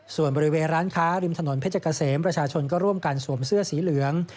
ส่วนบริเวณร้านค้าริมถนนเพชรเกษมประชาชนก็ร่วมกันสวมเสื้อสีเหลือง